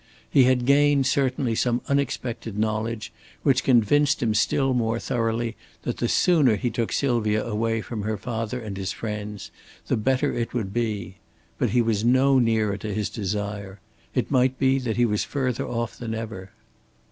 He had gained certainly some unexpected knowledge which convinced him still more thoroughly that the sooner he took Sylvia away from her father and his friends the better it would be. But he was no nearer to his desire. It might be that he was further off than ever.